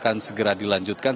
akan segera dilanjutkan